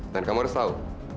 dan kamu harus tahu